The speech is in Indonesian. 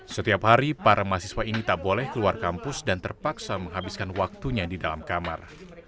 setiap hari para mahasiswa ini tak boleh keluar kampus dan terpaksa menghabiskan waktunya di dalam kamar